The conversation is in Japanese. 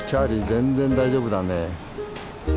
全然大丈夫だね。